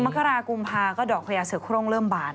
กรากุมภาก็ดอกพญาเสือโครงเริ่มบาน